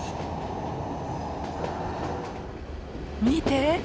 見て！